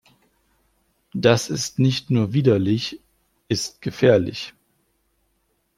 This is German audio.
Das ist nicht nur widerlich ist gefährlich.